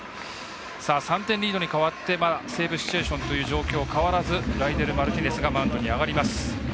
３点リードに代わってセーブシチュエーションという状況は変わらずライデル・マルティネスがマウンドに上がります。